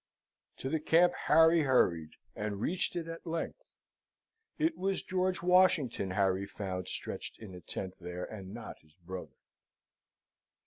To the camp Harry hurried, and reached it at length. It was George Washington Harry found stretched in a tent there, and not his brother.